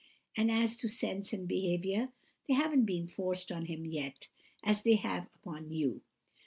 And as to sense and behaviour, they haven't been forced upon him yet, as they have upon you.